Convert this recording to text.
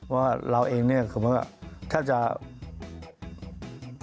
ว่าเราเองเนี่ยคือบอกว่าแทบจะอะไร